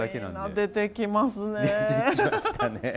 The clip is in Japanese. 出てきましたね。